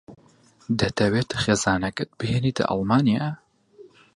دەتەوێت خێزانەکەت بهێنیتە ئەڵمانیا؟